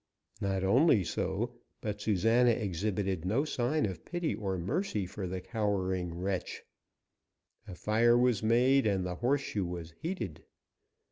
Not only so, but Susana exhibited no sign of pity or mercy for the cowering wretch. A fire was made, and the horseshoe was heated.